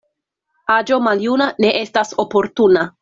Aĝo maljuna ne estas oportuna.